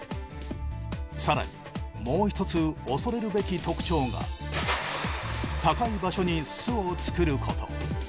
更にもうひとつ恐れるべき特徴が高い場所に巣を作ること